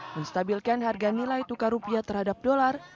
menstabilkan harga nilai tukar rupiah terhadap dolar